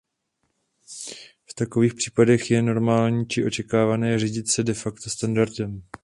V takových případech je normální či očekávané řídit se "de facto" standardem.